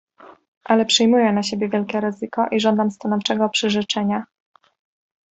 "Ale przyjmuję na siebie wielkie ryzyko i żądam stanowczego przyrzeczenia."